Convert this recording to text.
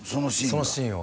そのシーン？